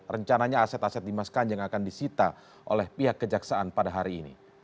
rencananya aset aset dimas kanjeng akan disita oleh pihak kejaksaan pada hari ini